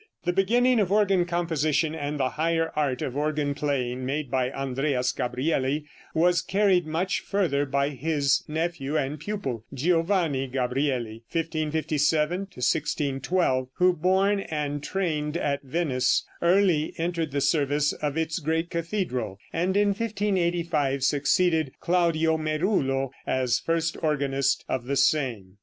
The beginning of organ composition, and the higher art of organ playing, made by Andreas Gabrieli, was carried much farther by his nephew and pupil, Giovanni Gabrieli (1557 1612), who, born and trained at Venice, early entered the service of its great cathedral, and in 1585 succeeded Claudio Merulo as first organist of the same.